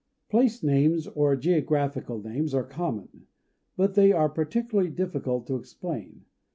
Place names, or geographical names, are common; but they are particularly difficult to explain.